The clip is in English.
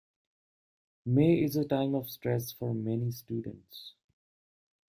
May is a time of stress for many students.